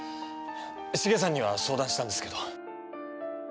シゲさんには相談してたんですけど。